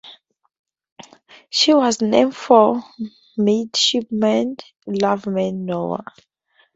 She was named for Midshipman Loveman Noa.